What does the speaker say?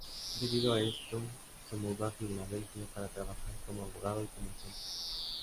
Debido a esto se mudo a Filadelfia para trabajar como abogado y comerciante.